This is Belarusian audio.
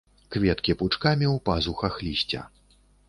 Кветкі пучкамі ў пазухах лісця.